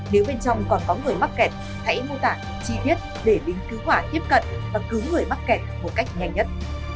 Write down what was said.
nếu bên trong còn có người mắc kẹt hãy mô tả chi tiết để lính cứu hỏa tiếp cận và cứu người mắc kẹt một cách nhanh nhất